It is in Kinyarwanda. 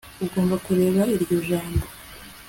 ugomba kureba iryo jambo